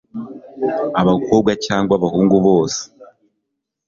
abakobwa cyangwa abahungu bose